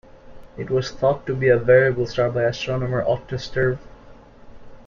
It was thought to be a variable star by astronomer Otto Struve.